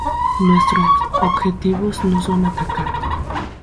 Nuestros objetivos no son atacar